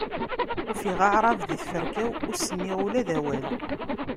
Ufiɣ-d Aɛrab di tferka-w, ur s-nniɣ ula d awal.